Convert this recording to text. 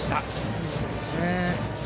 見事ですね。